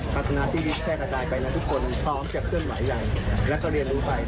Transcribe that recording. ลักษณะที่นี้แพร่กระจายไปแล้วทุกคนพร้อมจะเคลื่อนไหวใหญ่แล้วก็เรียนรู้ไป